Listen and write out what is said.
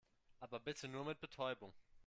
Aber bitte nur mit Betäubung.